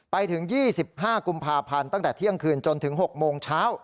ไปถึง๒๕กุมภาพันธ์ตั้งแต่เที่ยงคืนจนถึง๖โมงเช้า